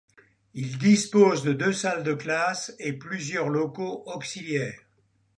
Il dispose de deux salles de classe et plusieurs locaux auxiliaires.